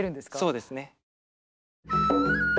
そうですね。